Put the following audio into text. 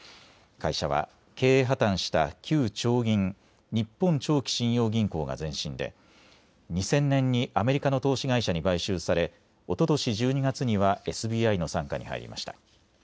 会社は経営破たんした旧長銀・日本長期信用銀行が前身で２０００年にアメリカの投資会社に買収され、おととし１２月にはＳＢＩの傘下に入りました。